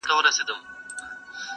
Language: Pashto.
خلګ راغله و قاضي ته په فریاد سوه,